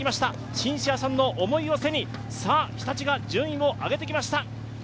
シンシアさんの思いを背に日立が順位を上げてきました。